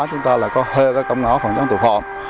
chúng ta là có hơi các công ngõ phòng chống tội phạm